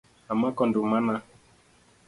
Amako ndumana .